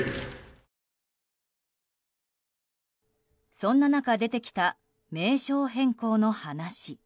そんな中、出てきた名称変更の話。